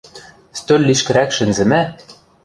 Стӧл лишкӹрӓк шӹнзӹмӓ.